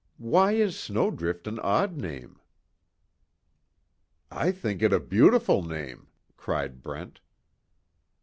Why is Snowdrift an odd name?" "I think it a beautiful name!" cried Brent.